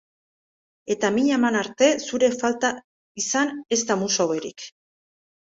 Eta min eman arte zure falta izan Ez da musa hoberik